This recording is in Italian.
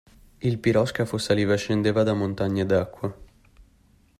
Il piroscafo saliva e scendeva da montagne d'acqua.